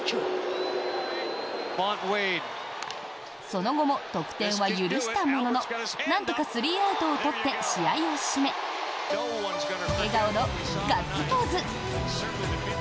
その後も得点は許したもののなんとか３アウトを取って試合を締め笑顔のガッツポーズ。